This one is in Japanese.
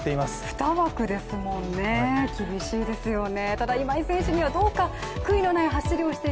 ２枠ですもんね、厳しいですもんね。